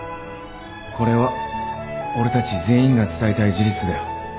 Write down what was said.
これは俺たち全員が伝えたい事実だよ。